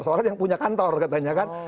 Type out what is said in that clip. seorang yang punya kantor katanya kan